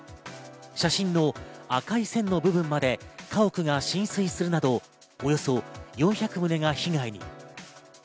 写真の赤い線の部分まで家屋が浸水するなど、およそ４００棟が被害に。